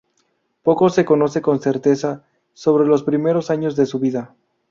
Poco se conoce con certeza sobre los primeros años de su vida.